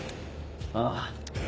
ああ。